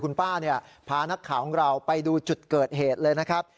คุณป้าพานักข่าวของเราไปดูจุดเกิดเหตุเลยนะครับ